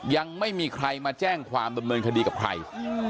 ยังไม่มีใครมาแจ้งความดำเนินคดีกับใคร